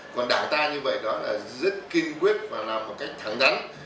còn đảng ta như vậy đó là rất kiên quyết và làm một cách thẳng đắng